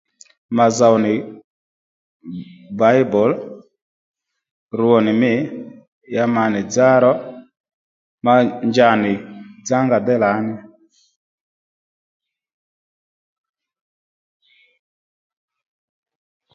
Ma zow nì Bible rwo nì mî ya ma nì dzá ro ma njanì dzánga déy lǎní